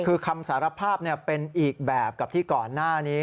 คือคำสารภาพเป็นอีกแบบกับที่ก่อนหน้านี้